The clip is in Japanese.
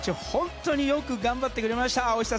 本当によく頑張ってくれました